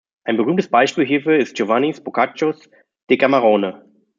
Ein berühmtes Beispiel hierfür ist Giovanni Boccaccios "Decamerone".